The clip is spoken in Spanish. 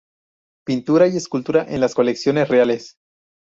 Pintura y escultura en las Colecciones Reales.